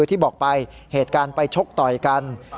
ที่บอกไปเหตุการณ์ไปชกต่อยกัน